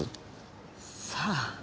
さあ。